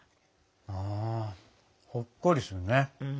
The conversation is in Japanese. うんほっこりするね。